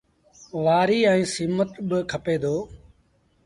وآريٚ ائيٚݩ سيٚمٽ با کپي دو۔